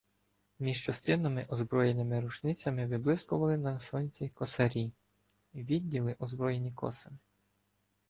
Між частинами, озброєними рушницями, виблискували на сонці "косарі" — відділи, озброєні косами.